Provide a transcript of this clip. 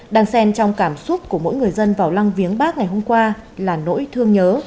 đàn sen trong cảm xúc của mỗi người dân vào lăng viếng bắc ngày hôm qua là nỗi thương nhớ